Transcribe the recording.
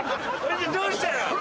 どうしたの？